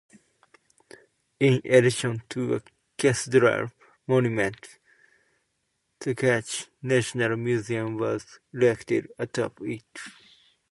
In addition to a cathedral monument, the Carthage National Museum was erected atop it.